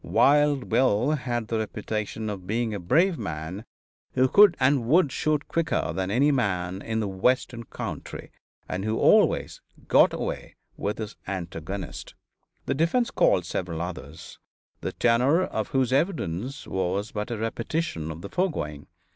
Wild Bill had the reputation of being a brave man, who could and would shoot quicker than any man in the Western country, and who always "got away" with his antagonist. The defense called several others, the tenor of whose evidence was but a repetition of the foregoing.